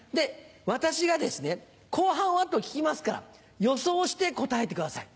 私がですね「後半は？」と聞きますから予想して答えてください。